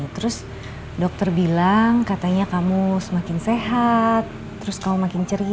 terus dokter bilang katanya kamu semakin sehat terus kamu makin ceria